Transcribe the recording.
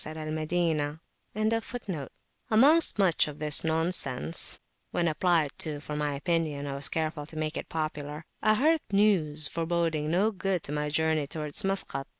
[FN#12] Amongst much of this nonsense, when applied to for my opinion, I was careful to make it popular, I heard news foreboding no good to my journey towards Maskat.